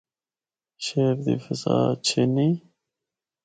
شہر دی فضا اچھی نیں۔